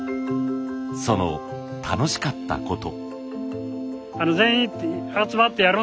その楽しかったこと。